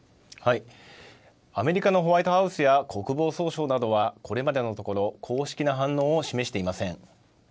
アメリカのホワイトハウスや国防総省などはこれまでのところ公式な反応を示していません。